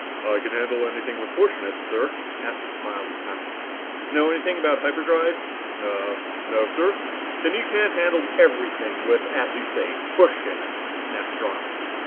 "I can handle anything with push in it, sir!" Astro smiled his confidence. "Know anything about hyperdrive?" "Uhh no, sir." "Then you can't handle everything with, as you say, push in it!" snapped Strong.